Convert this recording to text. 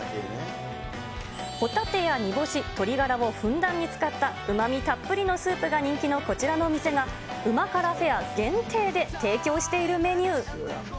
ホタテや煮干し、鶏ガラをふんだんに使ったうまみたっぷりのスープが人気のこちらの店が、旨辛フェア限定で提供しているメニュー。